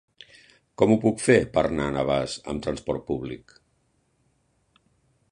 Com ho puc fer per anar a Navàs amb trasport públic?